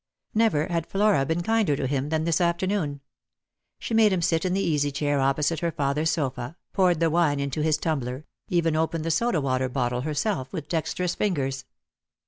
Never had Flora been kinder to him than this afternoon. She made him sit in the easy chair opposite her father's sofa, poured the wine into his tumbler, even opened the soda water bottle her Belf, with dexterous fingers.